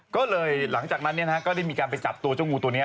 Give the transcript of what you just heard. ก็เลยหลังจากนั้นก็ได้มีการไปจับตัวเจ้างูตัวนี้